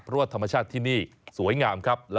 เพราะว่าธรรมชาติที่นี่สวยงามครับ